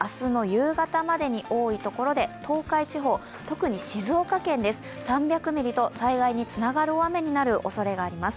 夕方までに多いところで東海地方、特に静岡県で３００ミリと災害につながる大雨になるおそれがあります。